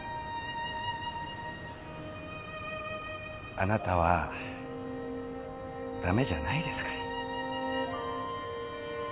あなたは駄目じゃないですから。